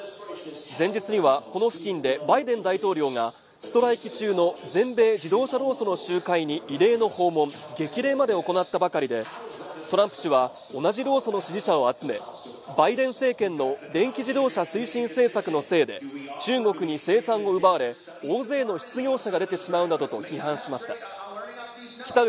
前日にはこの付近でバイデン大統領がストライキ中の全米自動車労組の集会に異例の訪問、激励まで行ったばかりでトランプ氏は同じ労組の支持者を集めバイデン政権の電気自動車推進政策のせいで中国に生産を奪われ大勢の失業者が出てしまうなどと批判しました来る